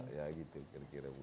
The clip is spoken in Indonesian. ya gitu kira kira bu